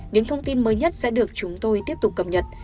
những thông tin mới nhất sẽ được chúng tôi tiếp tục cập nhật